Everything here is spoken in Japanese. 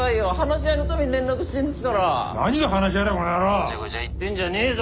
ごちゃごちゃ言ってんじゃねえぞ。